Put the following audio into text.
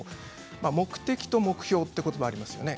目的と目標ということがありますね。